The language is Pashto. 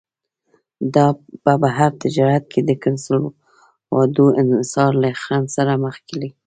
دا په بهر تجارت کې د کنسولاډو انحصار له خنډ سره مخ کړي.